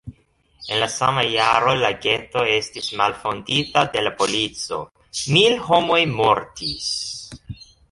En la sama jaro la geto estis malfondita de la polico; mil homoj mortis.